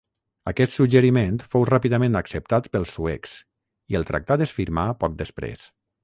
Aquest suggeriment fou ràpidament acceptat pels suecs, i el tractat es firmà poc després.